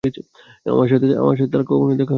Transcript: আমার সাথে তার কখনোই দেখা হয়নি।